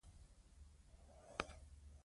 پیسې د خدمت لپاره دي.